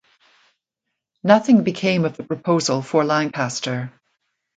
Nothing became of the proposal for Lancaster.